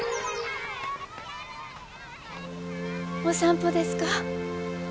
お散歩ですか？